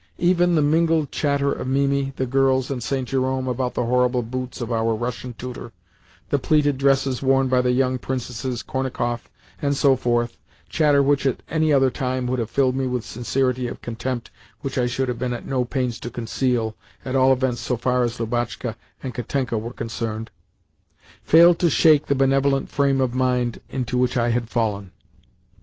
Even the mingled chatter of Mimi, the girls, and St. Jerome about the horrible boots of our Russian tutor, the pleated dresses worn by the young Princesses Kornakoff, and so forth (chatter which at any other time would have filled me with a sincerity of contempt which I should have been at no pains to conceal at all events so far as Lubotshka and Katenka were concerned), failed to shake the benevolent frame of mind into which I had fallen.